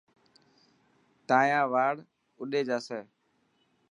تايان وار اوڏي جاسي.